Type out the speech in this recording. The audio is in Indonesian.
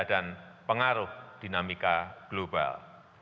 dan pengaruh dinamika global